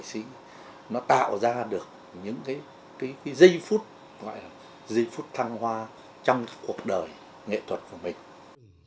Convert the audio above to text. cái ấn cái ấn cái ấn cái ấn cái ấn của bắc hồ